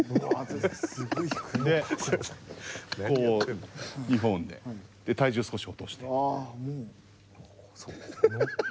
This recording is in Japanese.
こう２本で体重少し落として。